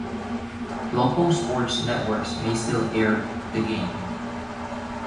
Local sports networks may still air the game.